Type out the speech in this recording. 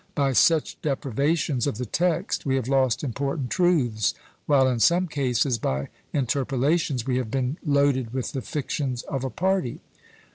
By such deprivations of the text we have lost important truths, while, in some cases, by interpolations, we have been loaded with the fictions of a party.